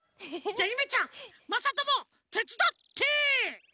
じゃゆめちゃんまさともてつだって！